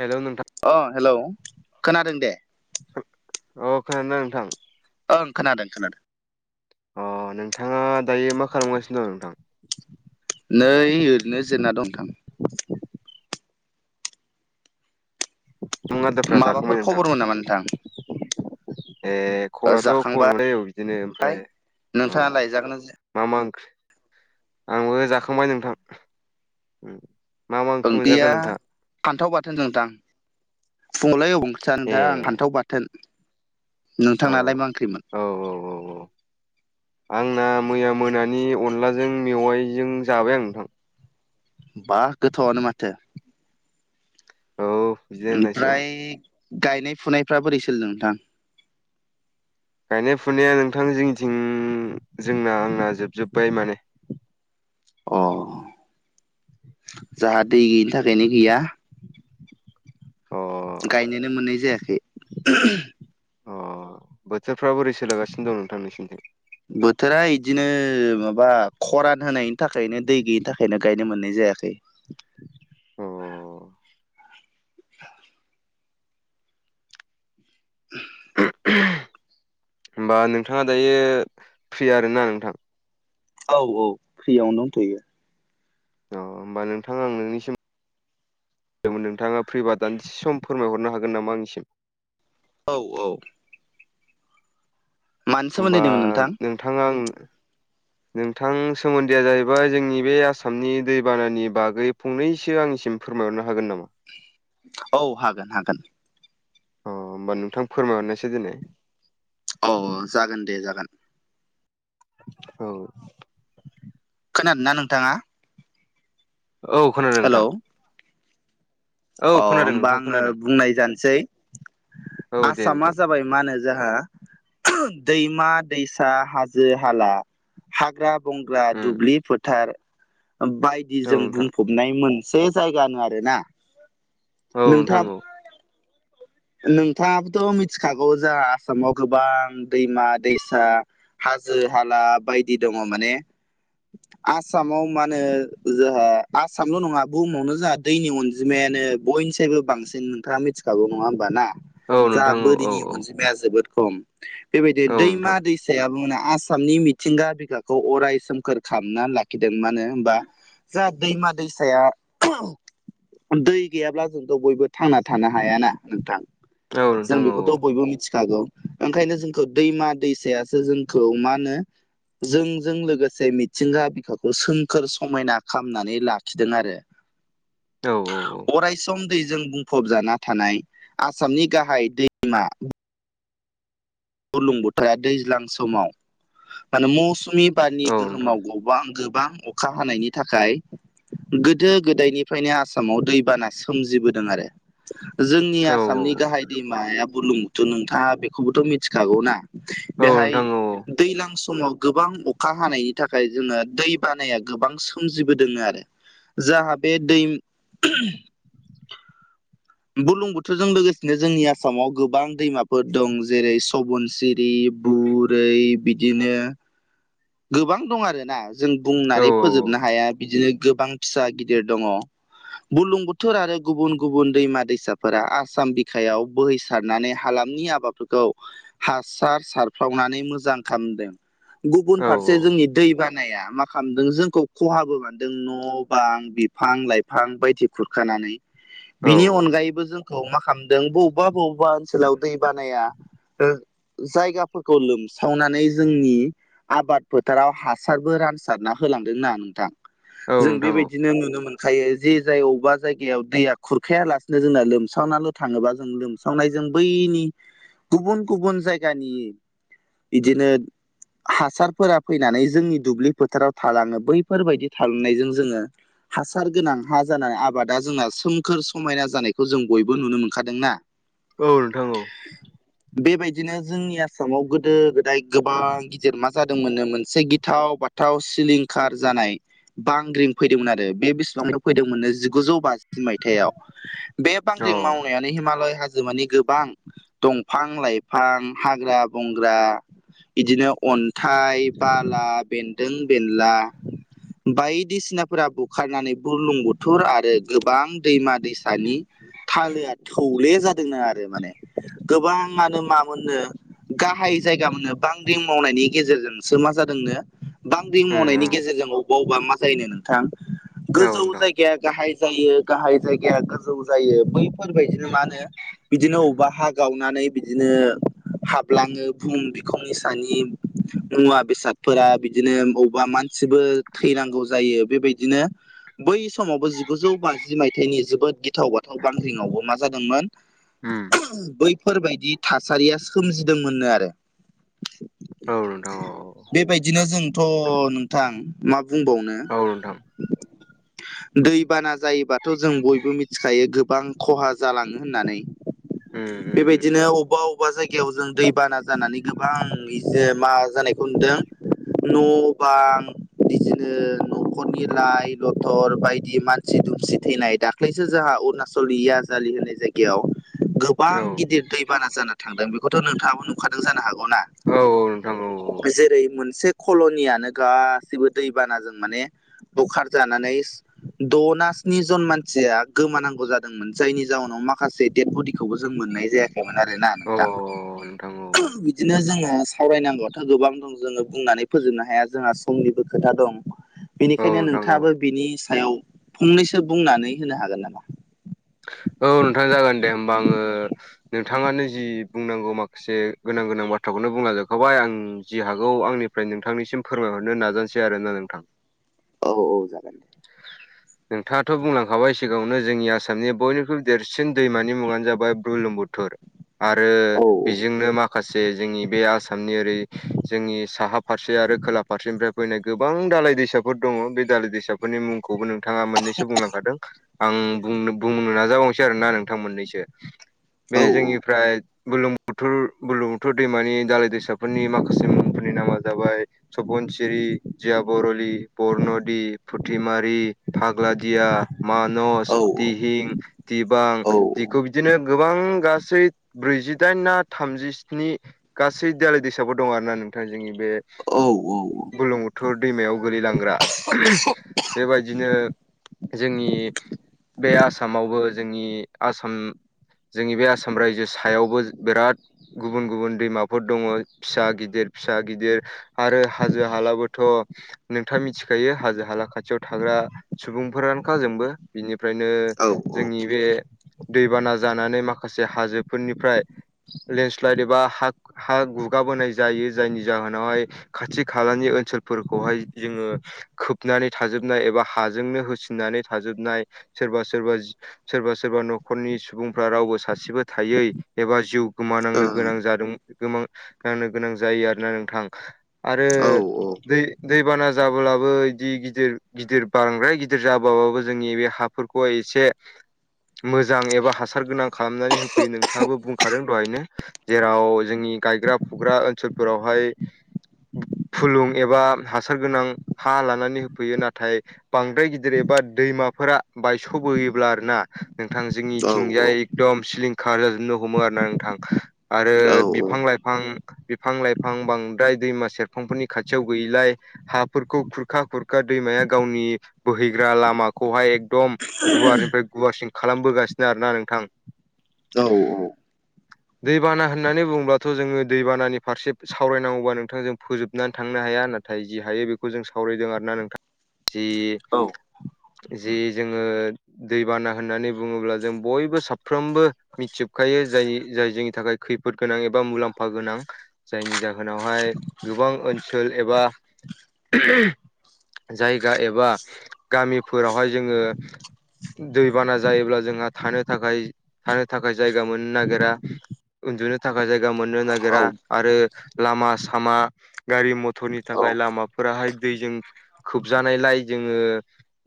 Hello नोंथां अ hello खोनादों दे। औ खोनादोंना नोंथां? ओं खोनादों खोनादों। अ नोंथाङा दायो मा खालामगासिनो दं नोंथां? नै ओरैनो जिरायना दं नोंथां। नों आदारफ्रा माबाफोर जाखांबाय नोंथां? खबरमोन नामा नोंथां [inaudible] ए खबराथ' जाखांबा खबर मोनलै औ बिदिनो ओमफ्राय अ नोंथाङा लायजागोन मा मा ओं आंबो जाखांबाय नोंथां उम। मा मा ओंख्रि मोनजाखो ओंख्रिया नोंथां फान्थाव बाथोन नोंथां फुंङावलाय अबाव ओं सा ए नोंथां फान्थाव बाथोन। औ नोंथांनालाय मा ओंख्रिमोन? औ औ औ औ आंना मैया मोनानि अनलाजों मेवाइजों जाबाय आं नोंथां। बा गोथाव आनो माथो। औ। बिदिनो होननांसिगोन ओमफ्राय गायनाय फुनायफ्रा बोरै सोलिदों नोंथां? गायनाय फुनाया नोंथां जोंनिथिं जोंना आंना जोबजोब्बाय माने। अ जाहाथे दै गैयिनि थाखायनो गैया अ। गायनोनो मोननाय जायाखै। अ बोथोरफ्रा बोरै सोलिगासिनो दं नोंथां नोंसिनिथिं? बोथोरा इदिनो माबा खरान होनायनि थाखायनो दै गैयिनि थाखायनो गायनो मोननाय जायाखै। अ। [unintelligible] [unintelligible] होमबा नोंथाङा दायो फ्रि आरोना नोंथां? औ औ फ्रियावनो दोनथ'यो। अ होमबा नोंथां आं नोंनिसिम नोंथाङा फ्रिबा दान्से सम फोरमायहरनो हागोन नामा आंनिसिम? औ औ। मानि होमबा सोमोन्दैदोंमोन नोंथां नोंथाङा आं नोंथां सोमोन्दैआ जाहैबाय जोंनि बे आसामनि दैबानानि बागै फंनैसो आंनिसिम फोरमायहरनो हागोन नामा? औ हागोन हागोन, अ होनोमबा नोंथां फोरमायहरनोसै दिनै, औ जागोन दे जागोन औ। खोनादों ना नोंथाङा? औ खोनादों हेलौ नोंथां। औ अ खोनादों होमबा नोंथां आङो खोनादों बुंनाय जानोसै औ दे आसामा नोंथां जाबाय माहोनो, जाहा दैमा दैसा हाजो हाला हाग्रा बंग्रा उम दुब्लि फोथार बायदि औ जों नोंथां बुंफब मोनाय मोनसे जायगा आरो ना, औ नोंथां नोंथांब, औ नोंथाङाबोथ' मिथिखागौ जोंहा आसामाव गोबां दैमा दैसा हाजो हाला बायदि दङ माने [inaudible] आसामाव माहोनो जोंहा आसामल' नङा बुहुमावनो जोंहा दैनि अनजिमायानो, बयनिस्रायबो बांसिन नोंथाङा मिथिखागौ नङा होमबा ना औ जोंहा नोंथां औ औ बोरिनि औ मोनसे आइया जोबोद खम बेबायदि औ दैमा नोंथां दै, साया बुंनो आसामनि मिथिंगा बिखाखौ अराय सोमखोर खालामना लाख लाखिदों मानो होमबा जा दैमा दैसाया दै गैयाब्ला जोंथ' बयबो थांना थानो हायाना, नोंथां औ जों नोंथां औ बेखौथ' बयबो मिथिखागौ, ओंखायनो जोंखौ दैमा दैसायासो जोंखौ मा होनो, जोंजों लोगोसे मिथिंगा बिखाखौ सोमखोर समायना खालामनानै लाखिदों आरो औ औ औ अरायसम दैजों बुंफबजाना थानाय आसामनि गाहाय दैमा, गुलुं बोथोरा दैज्लां समाव माने मौसुमि औ बारनि औ नोंथां गोहोमाव, बां गोबां अखा हानायनि थाखाय, गोदो गोदायनिफ्रायनो आसामाव दैबाना सोमजिबोदों आरो जोंनि औ आसामनि गाहाय दैमाया बुलुंथ' नोंथाङा बेखौबोथ' मिथिखागौ ना? औ बेहाय, नोंथां औ दैलां समाव गोबां अखा हानायनि थाखाय जोंना दै बानाया गोबां सोमजिबोदों आरो। जाहाथे दै बुरलुंबुथोरजों लोगोसेनो जोंनि आसामाव गोबां दैमाफोर दं जेरै सबनसित बे बुरै बिदिनो गोबां दं आरोना जों औ बुंनानै फोजोबनो हाया बिदिनो गोबां फिसा गिदिर दङ बुरलुंबुथोर आरो गुबुन गुबुन दैमा दैसाफोरा आसाम बिखायाव बोहैसारनानै हालामनि आ बाद फोरखौ हासार सारफ्रावनानै मोजां खामदों। औ फारसे जोंनि दै बा नाया मा खामदों जोंखौ खहाबो मोनदों न' बां बिफां लाइफां बायदि खुरखानानै। औ बिनि अनगायैबो जोंखौ मा खामदों बबेबा बबेबा ओनसोलाव दै बानाया ओ जायगाफोरखौ लोमसावनानै जोंनि आबाद फोथाराव हासारबो रानसारना होलांदोंना नोंथां औ जों नोंथां औ बेबाय दिनो नुनो मोनखायो जे जाय अबेबा जायगायाव दैया खुरखाया लासिनो जोंना लोमसावना ल' थाङोबा जों लोमसावनायजों बैनि गुबुन गुबुन जायगानि बिदिनो हासारफोरा फैनानै जोंनि दुब्लि फोथाराव थालाङो बैफोरबायायदि थालांनायजों जोंङो हासार गोनां हा जाना आबादा जोंना सोमखोर समायना जानायखौ जों बयबो नुनो मोनखादों ना। औ नोंथां औ बेबायदिनो जोंनि आसामाव गोदो गोदाय गोबां मा जादोंमोननो मोनसे गिथाव बाथाव सिलिंखार जानाय बांग्रिं फैदोंमोन आरो बे बेसेबांनि फैदोंमोननो जिगुजौ बा जिस मायथाइ आव बे औ बांग्रि मावनायानो हिमालय हा जो माने गोबां दंफां लाइफां हाग्रा बंग्रा इदिनो अन्थाइ बाला बेन्दों बेनला बायदिसिनाफोरा बुखारनानै बुरलुं बुथुर आरो गोबां दैमा दैसानि थालो आ थौले जा आरो माने गोबां आनो मा मोननो गाहाय जायगा मोननो बांग्रिं मावनायनि गेजेरजोंसो मा जादोंनो बांग्रि मावनायनि गेजेरजों अबाव बा मा जायोनो नोंथां गोजौ जाय गाया गाहाय जायो गाहाय जायगाया गोजौ जायो बैफोरबायदिनो मा होनो बिदिनो अबावबा हा गावनानै बिदिनो हाबलाङो बुम बिखौनि दानि मुवा बेसादफोरा बिदिनो बबेबा मानसिबो थैनांगौ जायो बेबायदिनो बै समावबो जिगुजौ बाजि मायथाइनि जोबोद गिथाव बाथाव बांग्रिंआवबो मा जादोंमोन उम बैफोरबायदि थासारिया सोमजिदोंमोननो आरो औ नोंथां औ औ बेबायदिनो जोंथ' नोंथां मा बुंबावनो औ नोंथां दैबाना जायोबाथ' जों बयबो मिथिखायो गोबां खहा जालाङो होननानै। उम उम उम बेबायदिनो अबेबा अबेबा जायगायाव जों दैबाना जानानै गो बां इजो मा जानायखौ नुदों न' बां बिदिनो न'खरनि लाइ लथर बायदि मानसि दुमसि थैनाय दा खलैसो जोंहा अरुणाचल याजलि होनाय जायगायाव गोबां औ गिदिर दैबाना जाना थांदों बेखौथ' नोंथाङाबो नुखादों जानो हा गौ ना औ औ नोंथां औ जेरै मोनसे कल'नियानो गासिबो दैबानाजों माने बुखारजानानै द ना स्नि जन मानसिया गोमानांगौ जादोंमोन जायनि जाउनाव माखासे डेद बडिखौबो जों मोननाय जायाखैमोन आरोना औ नोंथां नोंथां औ नोंथां औ बिदिनो जोंङो सावरायनांगौआथ' गोबां दं जोंङो बुंनानै फोजोबनो हाया जोंहा समनिबो खोथा दं। बेनिखायनो नोंथाङाबो बिनि सायाव फंनैसो बुंनानै होनो हागोन नामा? औ नोंथां जागोन दे होमबा आङो नोंथाङानो जि बुंनांगौ माखासे गोनां गोनां बाथ्राखौनो बुंलाजोबखाय आं जि हागौ आंनि ओमफ्राय नोंथांनिसिम फोरमायहरनो नाजानोसै आरोना नोंथां। औ औ जागोन। नोंथाङाथ' बुंलांखाबाय सिगाङावनो जोंनि आसाम सामनि बयनिख्रुइ देरसिन दैमानि मुङानो जाबाय बुर्लुंबुथुर। आरो औ बेजोंनो मा खासे जोंनि बे आसामनि ओरै जोंनि साहा फारसे आरो खोला फारसेनिफ्राय लुबैनाय गोबां दालाय दैसाफोर दङ बे दालाय दैसाफोरनि मुंखौबो नों थाङा मोननैसो बुंलांखादों आं बुंनो बुंनो नाजाबावनोसै आरोना नोंथां मोननैसो। बे औ जोंनिफ्राय बुर्लुं बुथुर बुर्लुंबुथुर दैमानि दालाय दैसाफोरनि माखासे मुंफोरनि नामा जाबाय सपनसिरि जिय बरलि बरन'दि फुथिमारि फाग्लादिया मानस औ दिहिं दिबां औ दिखौ बिदिनो गोबां गासै ब्रैजिदाइन ना थामजिस्नि गासै दालाय दैसाफोर दं आरोना नोंथां जोंनि बे औ औ औ। बुर्लुंबुथुर दैमायाव गोलैलांग्रा बेबायदिनो जोंनि बे आसामावबो जोंनि आसाम जोंनि बे आसाम रायजो सायावबो बिराद गुबुन गुबुन दैमाफोर दङ फिसा गिदिर फिसा गिदिर आरो हाजो हालाबोथ' नोंथाङा मिथिखायो हाजो हाला खाथियाव थाग्रा सुबुंफोरानोखा जोंबो बिनि ओमफ्रायनो औ औ जोंनि बे दैबाना जानानै माखासे हाजोफोरनिफ्राय लेन्डस्लाइद एबा हा हा गुगाबोनाय जायो जायनि जाहोनावहाय खाथि खालानि ओनसोलफोरखौहाय जोङो खोबनानै थाजोबनाय एबा हाजोंनो होसिननानै थाजोबनाय सोरबा सोरबा सोरबा सोरबा न'खरनि सुबुंफ्रा रावबो सासेबो थायै एबा जिउ गोमानांनो गोनां जादों गोमांनांनो गोनां जायो आरोना नोंथां। आरो औ दै दैबाना जाब्लाबो बिदि गिदिर गिदिर बांद्राय गिदिर जाबाबाबो जोंनि बे हा फोरखौ एसे मोजां एबा हासार गोनां खालामनानै होफैयो नोंथाङाबो बुंखादों दहायनो। जेराव जोंनि गायग्रा फुग्रा ओनसोलफोरावहाय फुलुं एबा हासार गोनां हा लानानै होफैयो नाथाय बांद्राय गिदिर एबा दैमाफोरा बायस'बोयोब्ला आरोना नोंथां जोंनिथिंजाय एकदम सिलिंखार जाजोबनो हमो आरोना नोंथां आरो बिफां लाइफां फां बिफां लाइफां बांद्राय दैमा सेरफांफोरनि खाथियाव गैयैलाय हाफोरखौ खुरखा खुरखा दैमाया गावनि बोहैग्रा लामाखौहाय दम गुवारनिफ्राय गुवारसिन खालामबोगासिनो आरोना नोंथां। औ औ। [inaudible] दैबाना होननानै बुङोबथ' जोङो दैबानानि फारसे सावरायनांगौबा नोंथां जों फोजोबनानै थांनो हाया होनना थाय जि हायो बेखौ जों सावरायदों आरोना नोंथां जि जि जोङो दैबाना होननानै बुङोब्ला जों बयबो साफ्रोमबो मिथिबखायो जाय जाय जोंनि थाखाय खैफोद गोनां एबा मुलाम्फा गोनां। जायनि जाहोनावहाय गोबां ओनसोल एबा जायगा एबा गामिफोरावहाय जोङो दैबाना जायोब्ला जोंहा थानो थाखाय थानो थाखाय जायगा मोननो नागिरा उन्दुनो थाखाय जायगा मोननो नागिरा। आरो लामा सामा गारि मथरनि थाखाय लामाफोराहाय दैजों खोबजानायलाय जोङो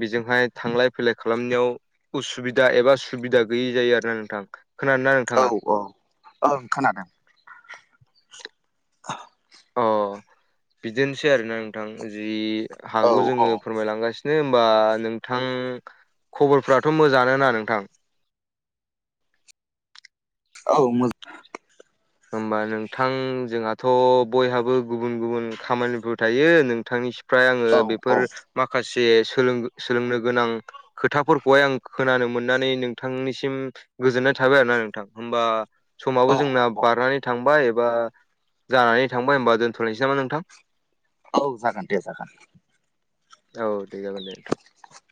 बेजोंहाय थांलाय फैलाय खालामनायाव उसुबिदा एबा सुबिदा गैयि जायो आरोना नोंथां। खोनादोंना नों औ औ। ओं खोनादों। आ अ बिदिनोसै आरोना नोंथां जि औ हागौ औ जोङो फोरमायलांगासिनो दे होनबा नोंथां खबरफ्राथ' मोजां आनो ना नोंथां? औ मोजां होमबा नोंथां जोंहाथ' बयहाबो गुबुन गुबुन खामानिफोर थायो नोंथांनि फ्राय आङो मोजां औ बेफोर माखासे सोलोंनो गोनां खोथाफोरखौहाय आं खोनानो मोननानै नोंथांनिसिम गोजोननाय थाबाय आरोना नोंथां। होमबा समावबो औ औ जोंना औ बारनानै थांबाय एबा जानानै थांबाय। होनबा दोनथ'लायनोसै नामा नोंथां? औ जागोन दे जागोन। औ दे जागोन दे नोंथां। [inaudible]